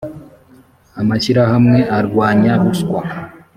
amashyirahamwe arwanya ruswa